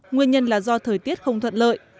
nguyên nhân là do thời tiết không thuận